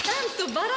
バラ！？